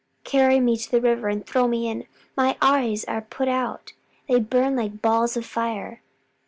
carry me to the river and throw me in. My eyes are put out; they burn like balls of fire."